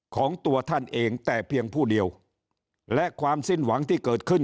ของตัวท่านเองแต่เพียงผู้เดียวและความสิ้นหวังที่เกิดขึ้น